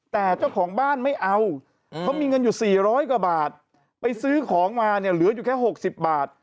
แต่เจ้าของบ้านไม่เอาเขามีเงินอยู่๔๐๐กว่าบาทไปซื้อของมาเนี่ยเหลืออยู่แค่๖๐บาท